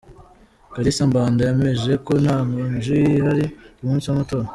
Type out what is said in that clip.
Kalisa Mbanda yemeje ko nta konji ihari ku munsi w’amatora.